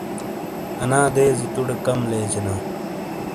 آنا دیزی توڑے کم لیجینا۔